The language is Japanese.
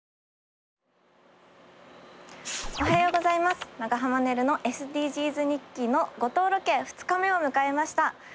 おはようございます長濱ねるのＳＤＧｓ日記の五島ロケ２日目を迎えました。